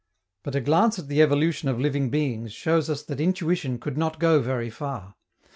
But a glance at the evolution of living beings shows us that intuition could not go very far.